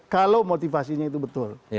kalau motivasinya itu betul